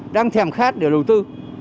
đang thèm khát để đầu tư